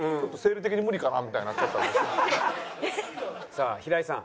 さあ平井さん。